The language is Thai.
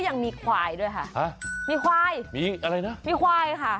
ยังมีควายด้วยค่ะฮะมีควายมีอะไรนะมีควายค่ะ